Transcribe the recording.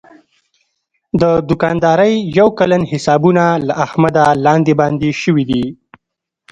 د دوکاندارۍ یو کلن حسابونه له احمده لاندې باندې شوي دي.